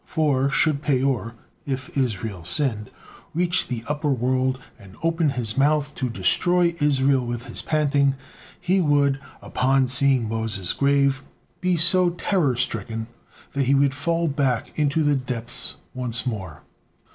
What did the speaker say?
For should Peor, if Israel sinned, reach the upper world and open his mouth to destroy Israel with his panting, he would, upon seeing Moses' grave, be so terror stricken, that he would fall back into the depths once more.